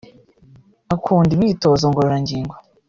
Akunda imyitozo ngororangingo